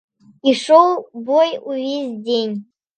Ішоў бой увесь дзень.